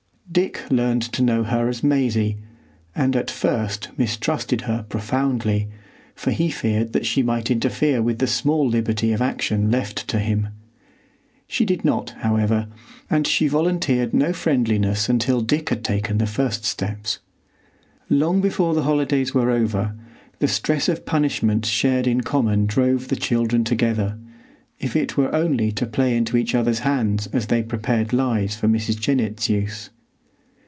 Dick learned to know her as Maisie, and at first mistrusted her profoundly, for he feared that she might interfere with the small liberty of action left to him. She did not, however; and she volunteered no friendliness until Dick had taken the first steps. Long before the holidays were over, the stress of punishment shared in common drove the children together, if it were only to play into each other's hands as they prepared lies for Mrs. Jennett's use.